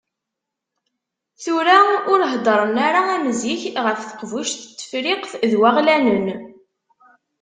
Tura ur heddren ara am zik ɣef Teqbuct n Tefriqt n Waɣlanen.